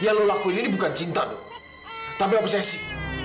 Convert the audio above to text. yang lo lakuin ini bukan cinta dong tapi obsesi